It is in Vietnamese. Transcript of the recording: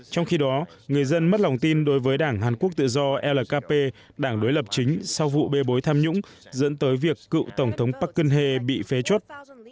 trong khi đó người dân mất lòng tin đối với đảng hàn quốc tự do lkp đảng đối lập chính sau vụ bê bối tham nhũng dẫn tới việc cựu tổng thống park geun hye bị phế chốt